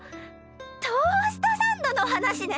トーストサンドの話ね！